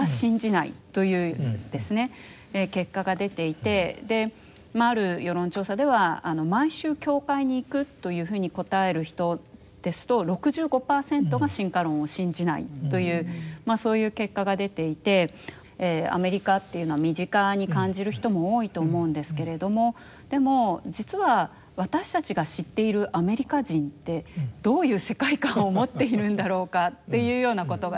結果が出ていてある世論調査では毎週教会に行くというふうに答える人ですと６５％が進化論を信じないというそういう結果が出ていてアメリカっていうのは身近に感じる人も多いと思うんですけれどもでも実は私たちが知っているアメリカ人ってどういう世界観を持っているんだろうかっていうようなことがですね